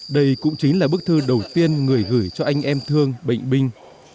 đây cũng chính là bức thư đầu tiên người gửi cho anh em thương bệnh binh